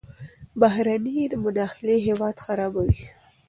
بهرنۍ مداخلې هیواد خرابوي.